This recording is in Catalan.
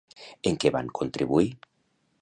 I en què van contribuir?